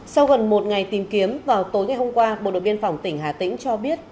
sau gần một ngày tìm kiếm vào tối ngày hôm qua bộ đội biên phòng tỉnh hà tĩnh cho biết